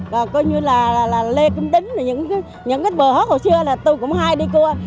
rồi coi như là lê kim đính những cái bờ hót hồi xưa là tôi cũng hay đi cua